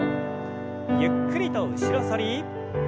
ゆっくりと後ろ反り。